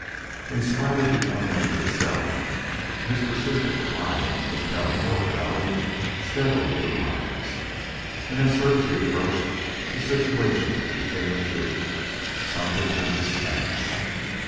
In spite of the unlimited selling, his persistent buying compelled Ward Valley steadily to rise, and as Thursday approached, the situation became acute. Something had to smash.